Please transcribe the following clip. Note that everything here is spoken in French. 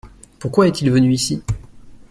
Pourquoi est-il venu ici ?